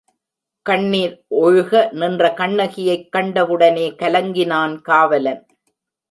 கண்ணிர் ஒழுக நின்ற கண்ணகியைக் கண்டவுடனே கலங்கினான் காவலன்.